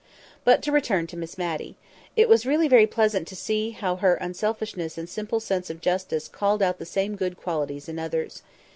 But to return to Miss Matty. It was really very pleasant to see how her unselfishness and simple sense of justice called out the same good qualities in others.